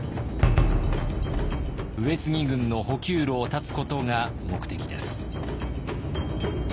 上杉軍の補給路を断つことが目的です。